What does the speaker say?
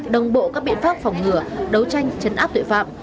đồng bộ các biện pháp phòng ngừa đấu tranh chấn áp tội phạm